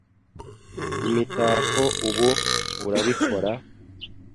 imitako ubu, urabikora? ”